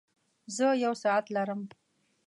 زۀ يو ساعت لرم.